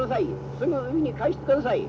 すぐ海に返してください。